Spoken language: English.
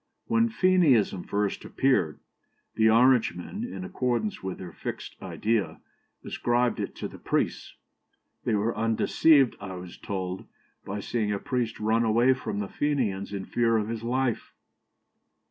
"When Fenianism first appeared, the Orangemen, in accordance with their fixed idea, ascribed it to the priests. They were undeceived, I was told, by seeing a priest run away from the Fenians in fear of his life."